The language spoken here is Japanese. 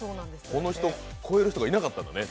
この人を超える人がいなかったんですね。